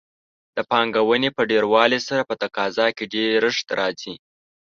د پانګونې په ډېروالي سره په تقاضا کې ډېرښت راځي.